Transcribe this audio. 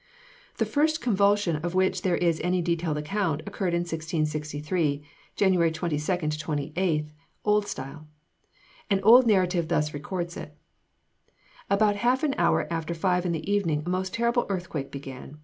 The first convulsion of which there is any detailed account, occurred in 1663, January 26 28, Old Style. An old narrative thus records it: "About half an hour after five in the evening a most terrible earthquake began.